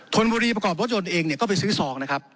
นบุรีประกอบรถยนต์เองเนี่ยก็ไปซื้อซองนะครับ